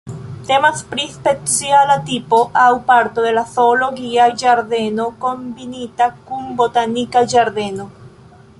Temas pri speciala tipo aŭ parto de zoologia ĝardeno kombinita kun botanika ĝardeno.